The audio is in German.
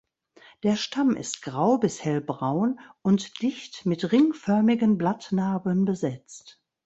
Der Stamm ist grau bis hellbraun und dicht mit ringförmigen Blattnarben besetzt.